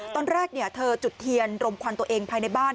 ตอนแรกเธอจุดเทียนรมควันตัวเองภายในบ้าน